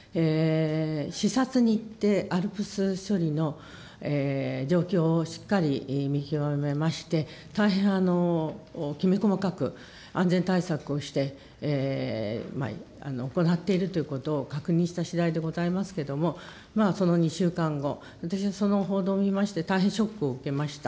視察に行って、ＡＬＰＳ処理の状況をしっかり見極めまして、大変きめ細かく安全対策をして、行っているということを確認したしだいでございますけれども、その２週間後、私はその報道を見まして、大変ショックを受けました。